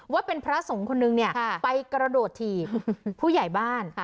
ว่าเป็นพระสงฆ์คนนึงเนี่ยไปกระโดดถีบผู้ใหญ่บ้าน